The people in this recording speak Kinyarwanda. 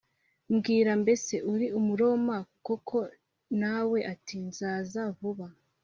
Mbwira mbese uri Umuroma koko Na we ati nzaza vuba